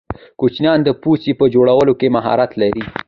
کوچیان د پوڅې په جوړولو کی مهارت لرې.